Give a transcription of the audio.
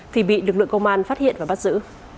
thì bị lực lượng công an phát hiện và bắt giữ